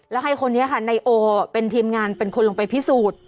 แล้วให้คนนี้ค่ะนายโอเป็นทีมงานเป็นคนลงไปพิสูจน์